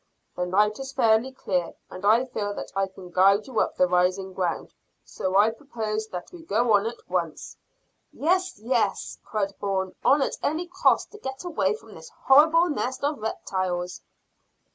The night is fairly clear, and I feel that I can guide you up the rising ground, so I propose that we go on at once." "Yes, yes," cried Bourne; "on at any cost, to get away from this horrible nest of reptiles."